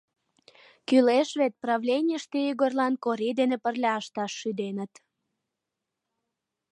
Кӱлеш вет, правленийыште Игорьлан Корий дене пырля ышташ шӱденыт.